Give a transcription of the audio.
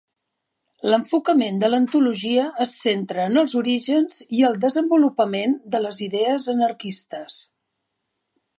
L'enfocament de l'antologia es centra en els orígens i el desenvolupament de les idees anarquistes.